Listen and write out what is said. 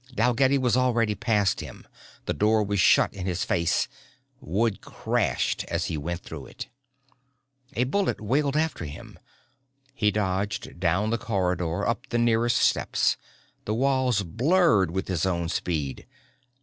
Dalgetty was already past him. The door was shut in his face. Wood crashed as he went through it. A bullet wailed after him. He dodged down the corridor, up the nearest steps, the walls blurred with his own speed.